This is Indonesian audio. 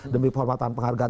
demi perhormatan penghargaan